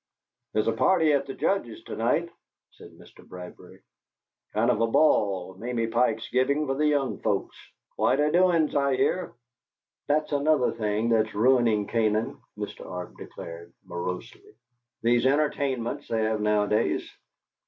"There's a party at the Judge's to night," said Mr. Bradbury "kind of a ball Mamie Pike's givin' for the young folks. Quite a doin's, I hear." "That's another thing that's ruining Canaan," Mr. Arp declared, morosely. "These entertainments they have nowadays.